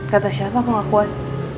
kata siapa aku gak kuat